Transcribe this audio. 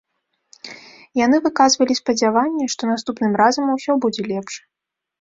Яны выказвалі спадзяванне, што наступным разам усё будзе лепш.